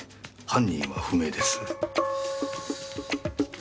犯人は不明です。